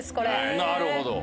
なるほど。